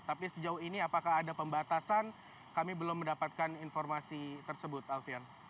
tapi sejauh ini apakah ada pembatasan kami belum mendapatkan informasi tersebut alfian